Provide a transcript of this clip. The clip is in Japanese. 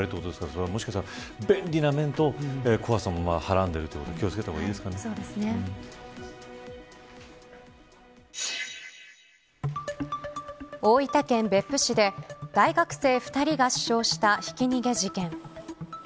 暗闇の中でも使えるということですから便利な面と怖さもはらんでいるということで大分県別府市で大学生２人が死傷したひき逃げ事件。